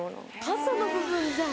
傘の部分じゃん。